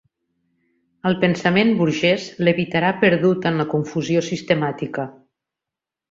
El pensament burgès levitarà perdut en la confusió sistemàtica.